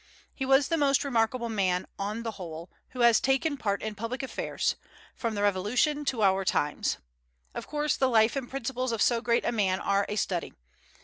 He was the most remarkable man, on the whole, who has taken part in public affairs, from the Revolution to our times. Of course, the life and principles of so great a man are a study.